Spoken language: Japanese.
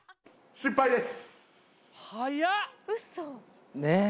失敗です